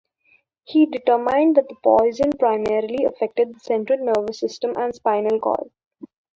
He determined that the poison primarily affected the central nervous system and spinal cord.